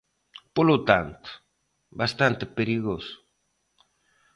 Polo tanto, bastante perigoso.